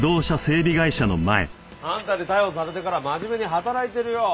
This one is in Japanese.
あんたに逮捕されてから真面目に働いてるよ。